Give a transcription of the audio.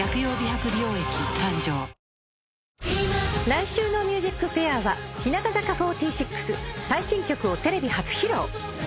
来週の『ＭＵＳＩＣＦＡＩＲ』は日向坂４６最新曲をテレビ初披露。